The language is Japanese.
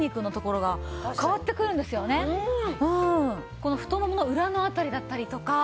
この太ももの裏の辺りだったりとか。